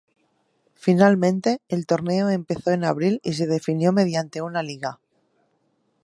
Finalmente, el torneo empezó en abril y se definió mediante una liga.